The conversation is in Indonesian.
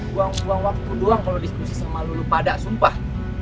buang buang waktu doang kalau diskusi sama lulu pada sumpah